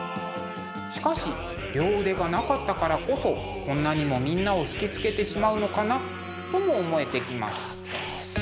しかし両腕がなかったからこそこんなにもみんなを引き付けてしまうのかなとも思えてきます。